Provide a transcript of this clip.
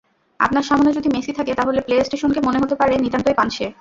আপনার সামনে যদি মেসি থাকে, তাহলে প্লে-স্টেশনকে মনে হতে পারে নিতান্তই পানসে।